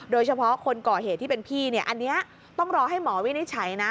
โดยเฉพาะคนก่อเหตุที่เป็นพี่เนี่ยอันนี้ต้องรอให้หมอวินิจฉัยนะ